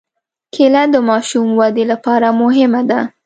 کېله د ماشوم د ودې لپاره مهمه ده.